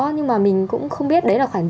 nhưng mà mình cũng không biết